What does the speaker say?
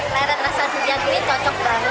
peleret rasa durian ini cocok banget